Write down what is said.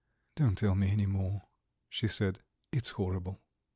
"Don't tell me any more," she said. "It's horrible!"